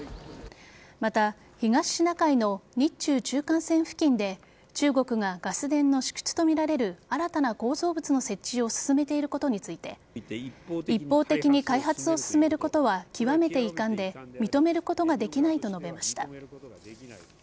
また、東シナ海の日中中間線付近で中国がガス田の試掘とみられる新たな構造物の設置を進めていることについて一方的に開発を進めることは極めて遺憾で認めることができないと述べました。